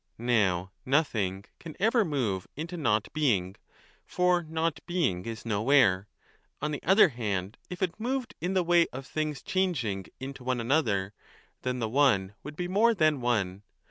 Now nothing can ever move into Not being ; for Not being is nowhere. On the other hand, if it moved in the way of things changing into one another, 15 then the One would be more than one.